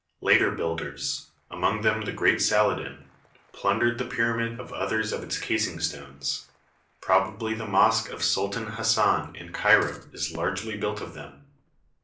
Later builders, among them the great Saladin, plundered the pyramid of others of its casing stones; probably the mosque of Sultan Hassan in Cairo is largely built of them.